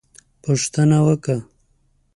_پوښتنه وکه!